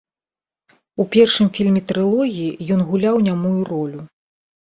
У першым фільме трылогіі ён гуляў нямую ролю.